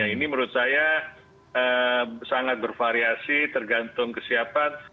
ini menurut saya sangat bervariasi tergantung kesiapan